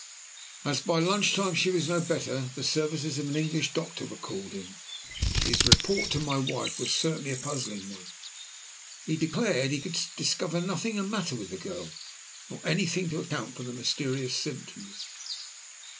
As, by lunch time, she was no better, the services of an English doctor were called in. His report to my wife was certainly a puzzling one. He declared he could discover nothing the matter with the girl, nor anything to account for the mysterious symptoms.